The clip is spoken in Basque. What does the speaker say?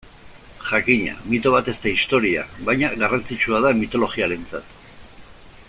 Jakina, mito bat ez da historia, baina garrantzitsua da mitologiarentzat.